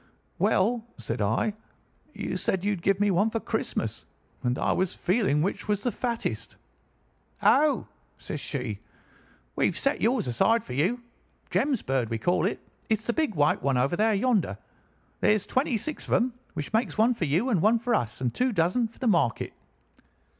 "'Well,' said I, 'you said you'd give me one for Christmas, and I was feeling which was the fattest.' "'Oh,' says she, 'we've set yours aside for you—Jem's bird, we call it. It's the big white one over yonder. There's twenty six of them, which makes one for you, and one for us, and two dozen for the market.